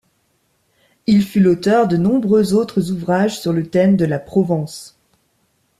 Il fut l'auteur de nombreux autres ouvrages sur le thème de la Provence.